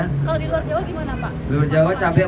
kalau di luar jawa gimana pak